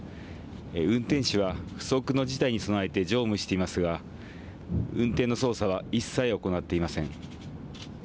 運転士は不測の事態に備えて乗務していますが運転の操作は一切行っていません。